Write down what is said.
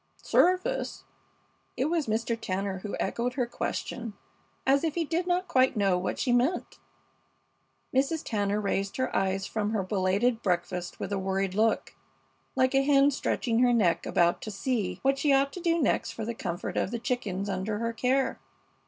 "Service?" It was Mr. Tanner who echoed her question as if he did not quite know what she meant. Mrs. Tanner raised her eyes from her belated breakfast with a worried look, like a hen stretching her neck about to see what she ought to do next for the comfort of the chickens under her care.